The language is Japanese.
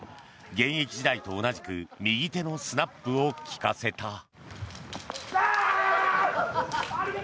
現役時代と同じく右手のスナップを利かせた。